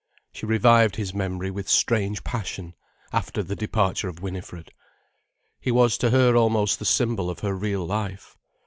She revived his memory with strange passion, after the departure of Winifred. He was to her almost the symbol of her real life.